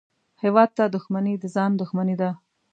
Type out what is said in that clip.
هېواد ته دښمني د ځان دښمني ده